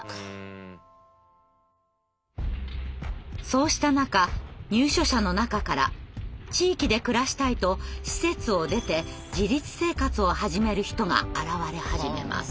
そうした中入所者の中から地域で暮らしたいと施設を出て自立生活を始める人が現れ始めます。